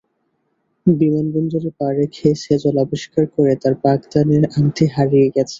বিমানবন্দরে পা রেখে সেজল আবিষ্কার করে তার বাগদানের আংটি হারিয়ে গেছে।